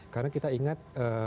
karena kita ingat